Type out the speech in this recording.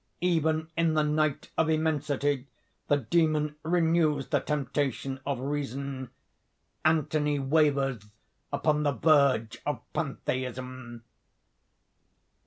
Even in the night of immensity the demon renews the temptation of reason: Anthony wavers upon the verge of pantheism.